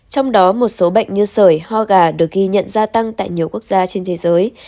trong đó một số bệnh như sởi ho gà được ghi nhận gia tăng tại nhiều quốc gia trên thế giới